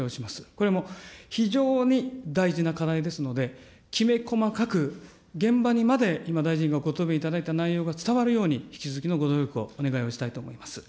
これはもう、非常に大事な課題ですので、きめ細かく現場にまで今大臣がご答弁いただいた内容が伝わるように、引き続きのご努力をお願いをしたいと思います。